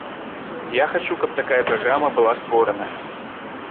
Я хачу, каб такая праграма была створаная.